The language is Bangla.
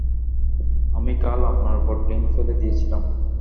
আমি কাল আপনার উপর ড্রিংক ফেলে দিয়েছিলাম।